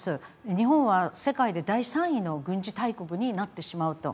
日本は世界で第３位の軍事大国になってしまうと。